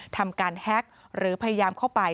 ทำการแฮ็กหรือพยายามเข้าไป